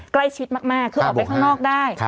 ใกล้ชิดมากคือออกไปข้างนอกได้